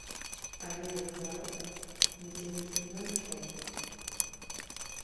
Але, як знарок, нідзе не чутно ні шолаху.